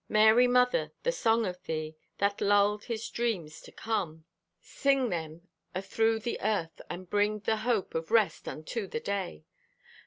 Mary, mother, the song of thee That lulled His dreams to come, Sing them athrough the earth and bring The hope of rest unto the day.